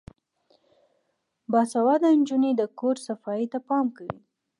باسواده نجونې د کور صفايي ته پام کوي.